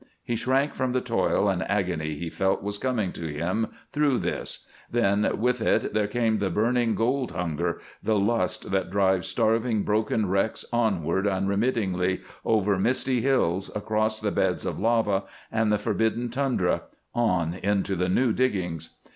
He shrank from the toil and agony he felt was coming to him through this; then, with it, there came the burning gold hunger; the lust that drives starving, broken wrecks onward unremittingly, over misty hills, across the beds of lava and the forbidden tundra; on, into the new diggings.